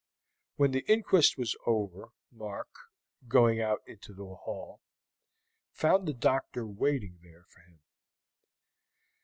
When the inquest was over, Mark, going out into the hall, found the doctor waiting there for him.